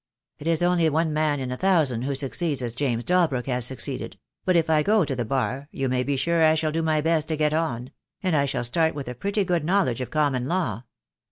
"It is only one man in a thousand who succeeds as James Dalbrook has succeeded; but if I go to the Bar you may be sure I shall do my best to get on; and I shall start with a pretty good knowledge of common law."